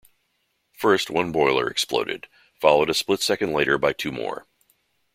First one boiler exploded, followed a split second later by two more.